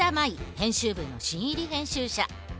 編集部の新入り編集者。